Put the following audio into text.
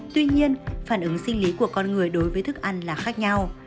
tuy nhiên phản ứng sinh lý của con người đối với thức ăn là khác nhau